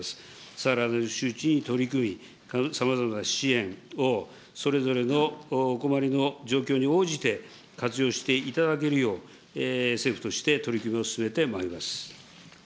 さらなる周知に取り組み、さまざまな支援をそれぞれのお困りの状況に応じて活用していただけるよう、政府として取り組みを進めてまいります。